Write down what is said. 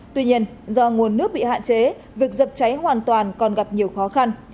tuy nhiên do nguồn nước bị hạn chế việc dập cháy hoàn toàn còn gặp nhiều khó khăn